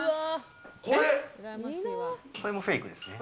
これもフェイクですね。